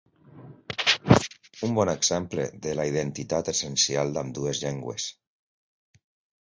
Un bon exemple de la identitat essencial d'ambdues llengües”.